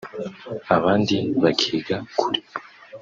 abandi bakiga kure